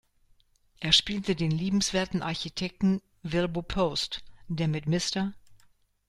Er spielte den liebenswerten Architekten "Wilbur Post", der mit „Mr.